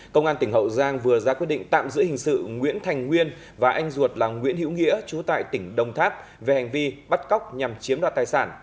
công an tỉnh hậu giang vừa ra quyết định tạm giữ hình sự nguyễn thành nguyên và anh ruột là nguyễn hữu nghĩa chú tại tỉnh đồng tháp về hành vi bắt cóc nhằm chiếm đoạt tài sản